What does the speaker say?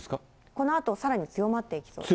このあとさらに強まっていきそうですね。